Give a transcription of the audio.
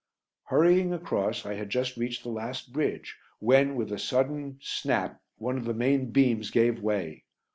Hurrying across I had just reached the last bridge when, with a sudden snap, one of the main beams gave way.